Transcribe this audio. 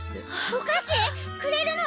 お菓子？くれるの？